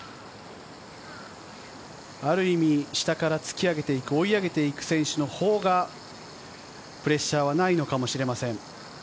ある意味、下から突き上げていく、追い上げていく選手のほうがプレッシャーはないのかもしれません。